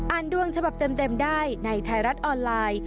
ดวงฉบับเต็มได้ในไทยรัฐออนไลน์